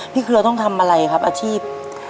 เครือต้องทำอะไรครับอาชีพ